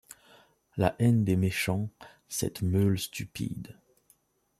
La haine des méchants, cette meule stupide